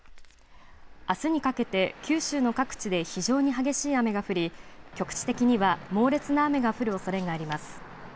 あすにかけて九州の各地で非常に激しい雨が降り局地的には猛烈な雨が降るおそれがあります。